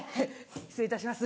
失礼いたします。